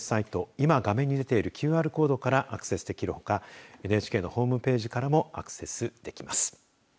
今、画面に出ているＱＲコードからアクセスできるほかＮＨＫのホームページからもアクセスできます。